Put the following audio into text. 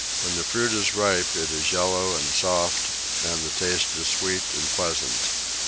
When the fruit is ripe it is yellow and soft, and the taste is sweet and pleasant.